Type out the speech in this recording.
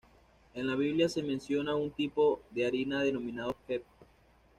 En la Biblia se menciona un tipo de harina denominado "Heb.